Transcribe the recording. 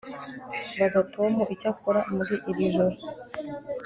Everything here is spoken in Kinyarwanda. Baza Tom icyo akora muri iri joro